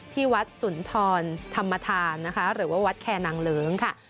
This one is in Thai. ที่วัดสุนทรธรรมธารหรือว่าวัดแคร์หนังเหลืองค่ะ